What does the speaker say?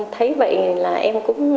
thấy vậy là em cũng